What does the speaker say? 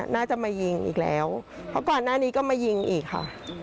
น่าจะมายิงอีกแล้วเพราะก่อนหน้านี้ก็มายิงอีกค่ะ